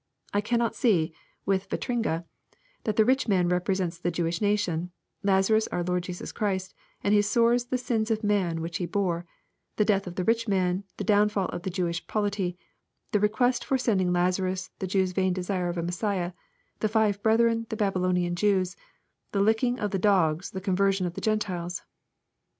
— I cannot see, with Vitringa, that the rich man repre sents the Jewish nation, — ^Lazarus our Lord Jesus Christ, — ^his sores the sins of man which He bore, — ^the death of the rich man the downfall of the Jewish polity, — the request for sending Lazarus the Jew's vain desire of a Messiah, — the five brethren the Babylonish Jews, — the Ucking of the dogs the convei sion of tl\e Gentiles.